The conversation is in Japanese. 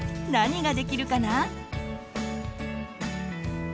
何ができるかな？